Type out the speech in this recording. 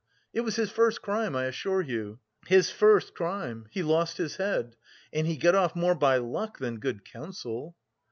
It was his first crime, I assure you, his first crime; he lost his head. And he got off more by luck than good counsel!"